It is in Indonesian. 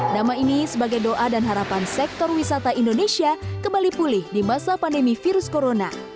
nama ini sebagai doa dan harapan sektor wisata indonesia kembali pulih di masa pandemi virus corona